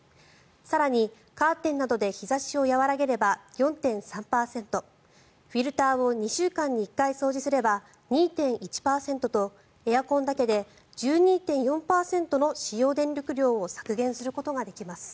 更に、カーテンなどで日差しを和らげれば４．３％フィルターを２週間に１回掃除すれば２．１％とエアコンだけで１２．４％の使用電力量を削減することができます。